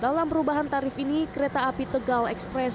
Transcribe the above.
dalam perubahan tarif ini kereta api tegal express